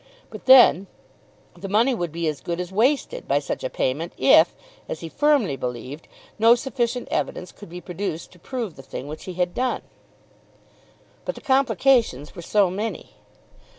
But then the money would be as good as wasted by such a payment, if, as he firmly believed, no sufficient evidence could be produced to prove the thing which he had done. But the complications were so many!